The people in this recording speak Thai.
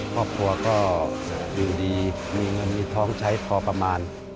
ครอบครัวก็อยู่ดีมีเงินมีทองใช้พอประมาณ